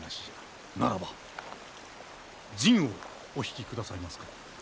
ならば陣をお引きくださいますか？